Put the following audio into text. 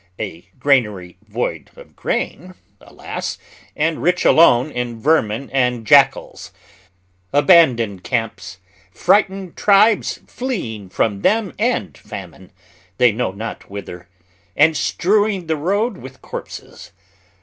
a granary void of grain, alas! and rich alone in vermin and jackals. Abandoned camps, frightened tribes fleeing from them and famine, they know not whither, and strewing the road with corpses.